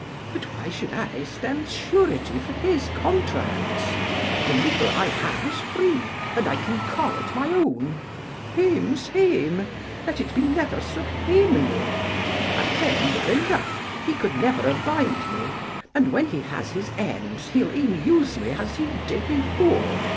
But why should I stand surety for his contracts? The little I have is free, and I can call it my own hame's hame, let it be never so hamely. I ken well enough, he could never abide me, and when he has his ends he'll e'en use me as he did before.